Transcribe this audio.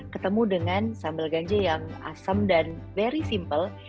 ketemu dengan sambal ganja yang asem dan very simple